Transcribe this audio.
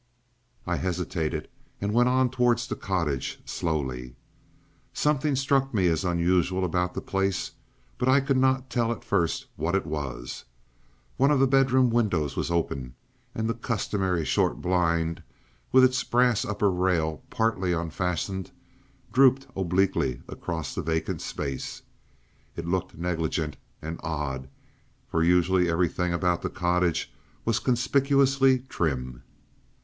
I hesitated and went on towards the cottage, slowly. Something struck me as unusual about the place, but I could not tell at first what it was. One of the bedroom windows was open, and the customary short blind, with its brass upper rail partly unfastened, drooped obliquely across the vacant space. It looked negligent and odd, for usually everything about the cottage was conspicuously trim.